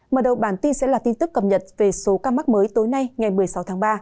mở đầu bản tin sẽ là tin tức cập nhật về số ca mắc mới tối nay ngày một mươi sáu tháng ba